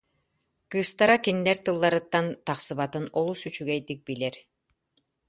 Кыыстара кинилэр тылларыттан тахсыбатын олус үчүгэйдик билэр